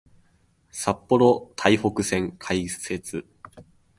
札幌・台北線開設